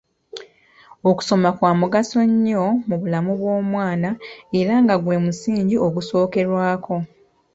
Okusoma kwa mugaso nnyo mu bulamu bw’omwana era nga gwe musingi ogusookerwako.